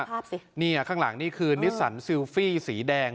ภาพสิเนี่ยข้างหลังนี่คือนิสสันซิลฟี่สีแดง